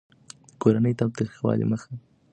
د کورني تاوتريخوالي مخه يې نيوله.